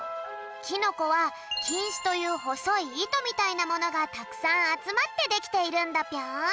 キノコは「きんし」というほそいいとみたいなものがたくさんあつまってできているんだぴょん。